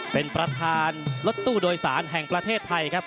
เป็นประธานรถตู้โดยสารแห่งประเทศไทยครับ